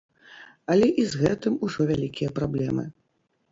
Але і з гэтым ужо вялікія праблемы.